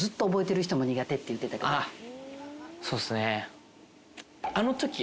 そうっすね。